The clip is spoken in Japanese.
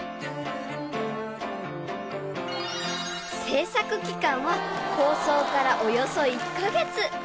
［製作期間は構想からおよそ１カ月］